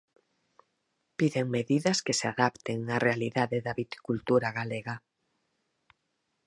Piden medidas que se adapten á realidade da viticultura galega.